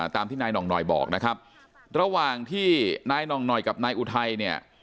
ตามที่นายหน่องหน่อยบอกนะครับระหว่างที่นายหน่องหน่อยกับนายอุทัยเนี่ย